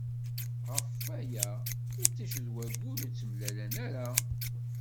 Ɣef waya itij d waggur ur ttemlalen ara.